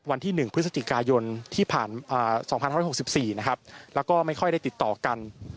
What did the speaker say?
วันที่๑พฤศจิกายนที่ผ่าน๒๕๖๔นะครับแล้วก็ไม่ค่อยได้ติดต่อกัน